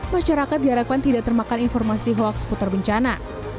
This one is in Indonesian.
masyarakat diharapkan tidak termakan informasi hoaks putar bencana